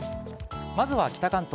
まずは北関東。